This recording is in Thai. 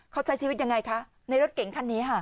เขาใช้ชีวิตยังไงคะในรถเก่งคันนี้ค่ะ